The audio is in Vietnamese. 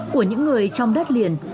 của những người trong đất liền